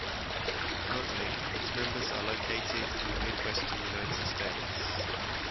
Currently, its members are located in the midwestern United States.